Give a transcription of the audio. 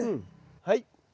はい。